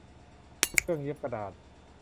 เครื่องเย็บกระดาษ